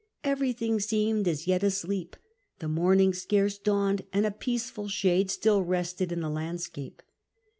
Everything seemed as yet asleep, the morning scarce dawned, and a peaceful shade still rested in tho land scape."